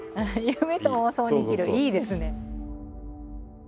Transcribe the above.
いいですね。